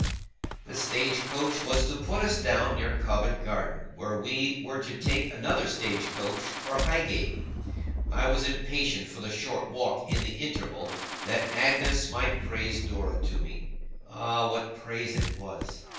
The stage coach was to put us down near Covent Garden, where we were to take another stage coach for Highgate. I was impatient for the short walk in the interval, that Agnes might praise Dora to me. Ah! what praise it was!